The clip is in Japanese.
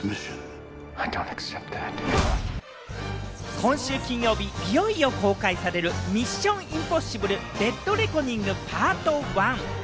今週金曜日、いよいよ公開される『ミッション：インポッシブル／デッド・レコニングＰＡＲＴＯＮＥ』。